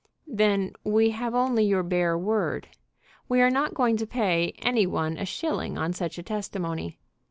"Then we have only your bare word. We are not going to pay any one a shilling on such a testimony."